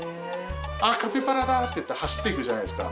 「あっカピバラだ」って走っていくじゃないですか。